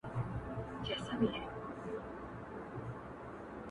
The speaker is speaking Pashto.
د میني ترانې وایی پخپل لطیفه ژبه،